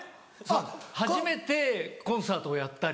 初めてコンサートをやったり。